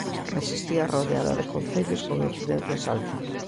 Resistía rodeada de concellos con incidencias altas.